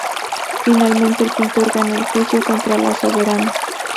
Finalmente, el pintor ganó el juicio contra la soberana.